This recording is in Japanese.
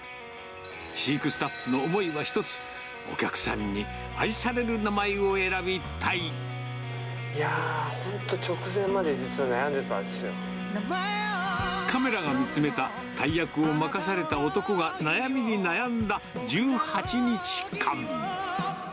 飼育スタッフの思いは一つ、お客さんに愛される名前を選びたいやー、本当、直前まで、カメラが見つめた、大役を任された男が悩みに悩んだ１８日間。